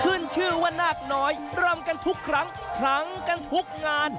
ขึ้นชื่อว่านาคน้อยรำกันทุกครั้งคลังกันทุกงาน